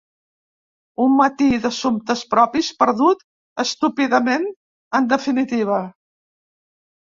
Un matí d'assumptes propis perdut estúpidament, en definitiva.